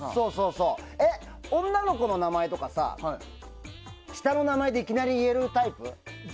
女の子の名前とか下の名前でいきなり言えるタイプ？